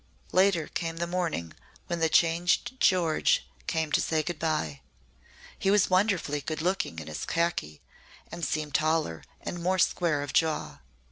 '" Later came the morning when the changed George came to say good bye. He was wonderfully good looking in his khaki and seemed taller and more square of jaw.